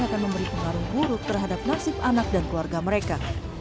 akan memberi pengaruh buruk terhadap nasib anak dan keluarga mereka